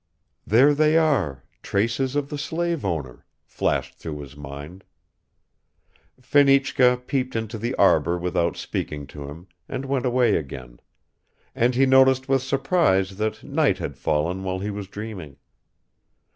"There they are, traces of the slaveowner," flashed through his mind. Fenichka peeped into the arbor without speaking to him and went away again; and he noticed with surprise that night had fallen while he was dreaming.